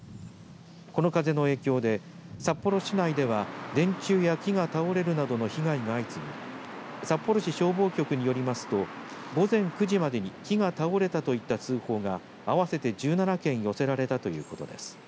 この風の影響で札幌市内では電柱や木が倒れるなどの被害が相次ぎ札幌市消防局によりますと午前９時までに木が倒れたといった通報が合わせて１７件寄せられたということです。